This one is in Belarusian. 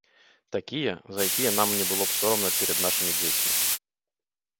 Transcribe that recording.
Такія, за якія нам не было б сорамна перад нашымі дзецьмі.